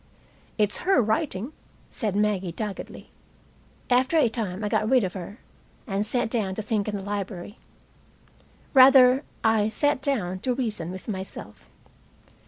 "It's her writing," said Maggie doggedly. After a time I got rid of her, and sat down to think in the library. Rather I sat down to reason with myself.